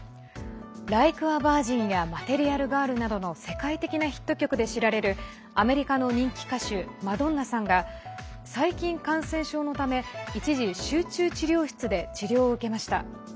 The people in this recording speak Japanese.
「ライク・ア・バージン」や「マテリアル・ガール」などの世界的なヒット曲で知られるアメリカの人気歌手マドンナさんが細菌感染症のため一時集中治療室で治療を受けました。